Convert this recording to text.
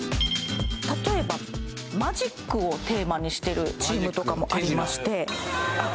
例えばマジックをテーマにしてるチームとかもありましてあっ